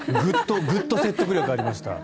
グッと説得力ありました。